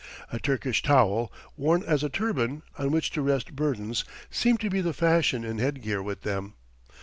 A Turkish towel, worn as a turban, on which to rest burdens, seemed to be the fashion in head gear with them.